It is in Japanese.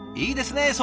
いいですね